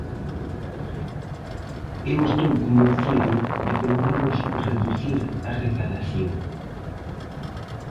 Eu estou convencido de que non imos reducir a recadación.